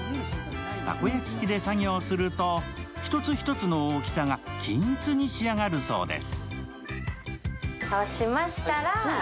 たこ焼き器で作業すると一つ一つの大きさが均一になるそうです。